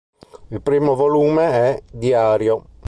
Il primo volume è "Diario.